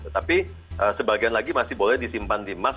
tapi sebagian lagi masih boleh disimpan di emas